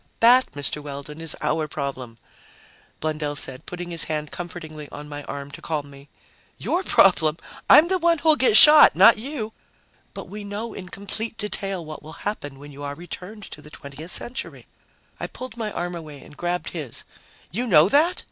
"That, Mr. Weldon, is our problem," Blundell said, putting his hand comfortingly on my arm to calm me. "Your problem? I'm the one who'll get shot, not you!" "But we know in complete detail what will happen when you are returned to the 20th Century." I pulled my arm away and grabbed his. "You know that?